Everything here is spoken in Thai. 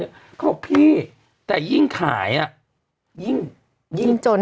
เขาบอกพี่แต่ยิ่งขายอ่ะยิ่งยิ่งจน